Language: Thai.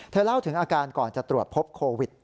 เล่าถึงอาการก่อนจะตรวจพบโควิด